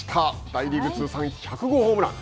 大リーグ通算１００号ホームラン。